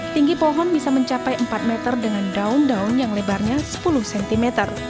tinggi pohon bisa mencapai empat meter dengan daun daun yang lebarnya sepuluh cm